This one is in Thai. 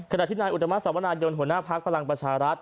ขณะที่นายอุตมะสวนายนหัวหน้าพักพลังประชารัฐ